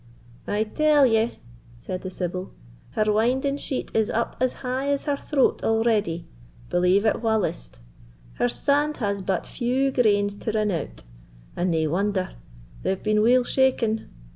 "I tell ye," said the sibyl, "her winding sheet is up as high as her throat already, believe it wha list. Her sand has but few grains to rin out; and nae wonder—they've been weel shaken.